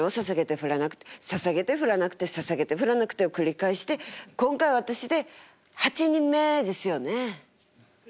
ささげて降らなくてささげて降らなくてを繰り返して今回私で８人目ですよね。